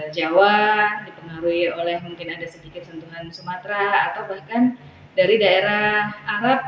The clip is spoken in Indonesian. jawa dipengaruhi oleh mungkin ada sedikit sentuhan sumatera atau bahkan dari daerah arab